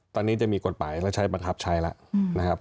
ตอนนี้จะมีกฎหมายแล้วใช้บังคับใช้แล้วนะครับ